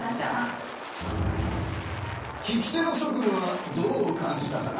聞き手のしょくんはどう感じたかな？